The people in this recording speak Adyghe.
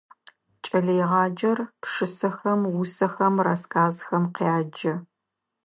Кӏэлэегъаджэр пшысэхэм, усэхэм, рассказхэм къяджэ.